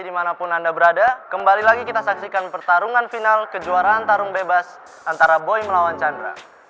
dimanapun anda berada kembali lagi kita saksikan pertarungan final kejuaraan tarung bebas antara boy melawan chandra